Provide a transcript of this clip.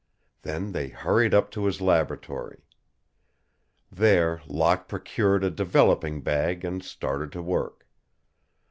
Then they hurried up to his laboratory. There Locke procured a developing bag and started to work.